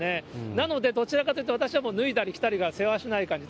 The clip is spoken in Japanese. なので、どちらかというと、私は脱いだり着たりがせわしない感じ。